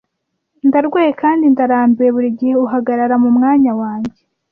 Ndarwaye kandi ndarambiwe burigihe uhagarara mumwanya wanjye .